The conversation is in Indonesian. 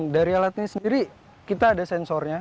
dari alat ini sendiri kita ada sensornya